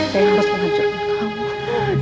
saya harus menghancurkan kamu